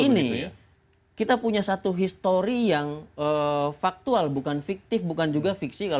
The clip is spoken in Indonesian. ini kita punya satu histori yang faktual bukan fiktif bukan juga fiksi